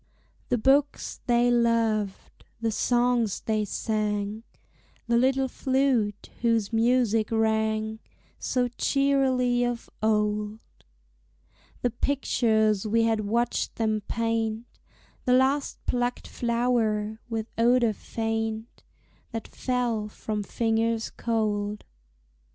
The books they loved, the songs they sang, The little flute whose music rang So cheerily of old; The pictures we had watched them paint, The last plucked flower, with odor faint, That fell from fingers cold.